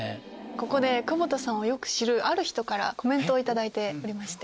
ここで窪田さんをよく知るある人からコメントを頂いてまして。